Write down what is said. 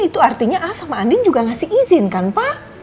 itu artinya ah sama andin juga ngasih izin kan pak